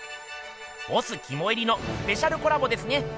ボスきもいりのスペシャルコラボですね。